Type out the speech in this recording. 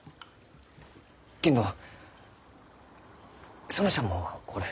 けんど園ちゃんもおる。